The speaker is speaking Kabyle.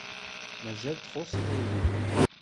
Mazal txuṣṣeḍ-iyi.